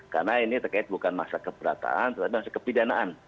karena ini terkait bukan masalah keberatan tapi masalah kepidanaan